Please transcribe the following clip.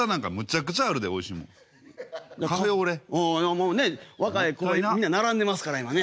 もうね若い子みんな並んでますから今ね。